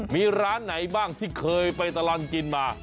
มีร้านไหนบ้างที่เคยไปตลอดกินมา